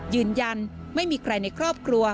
ยืนยันไม่มีใครในครอบครัว